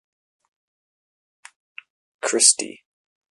Christy.